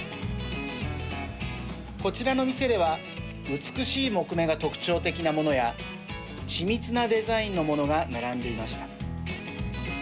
こちらの店では美しい木目が特徴的なものや緻密なデザインのものが並んでいました。